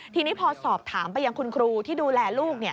ทีนี้พอสอบถามไปยังคุณครูที่ดูแลลูก